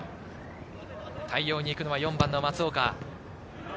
対応に行くのは４番の松岡。